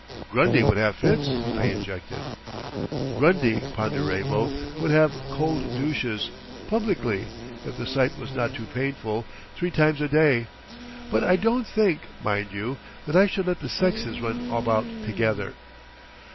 "Grundy would have fits!" I injected. "Grundy, Ponderevo, would have cold douches—publicly—if the sight was not too painful—three times a day.... But I don't think, mind you, that I should let the sexes run about together.